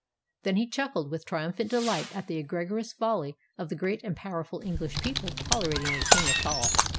Then he chuckled with triumphant delight at the egregious folly of the great and powerful English people tolerating a King at all.